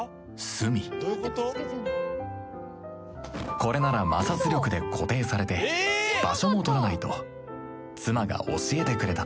これなら摩擦力で固定されて場所も取らないと妻が教えてくれた